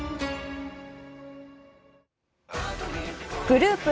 グループＡ